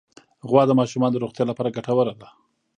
غوا د ماشومانو د روغتیا لپاره ګټوره ده.